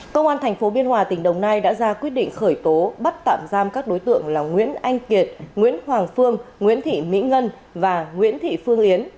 công an tp biên hòa tỉnh đồng nai đã ra quyết định khởi tố bắt tạm giam các đối tượng là nguyễn anh kiệt nguyễn hoàng phương nguyễn thị mỹ ngân và nguyễn thị phương yến